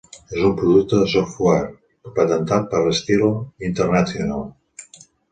És un producte de software patentat per Stilo International.